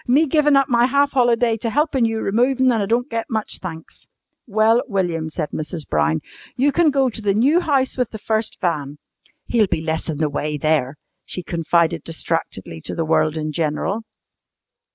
"Me givin' up my half holiday to helpin' you removin', an' I don't get much thanks!" "Well, William," said Mrs. Brown, "you can go to the new house with the first van. He'll be less in the way there," she confided distractedly to the world in general.